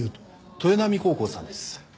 豊並高校さんです。